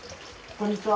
こんにちは。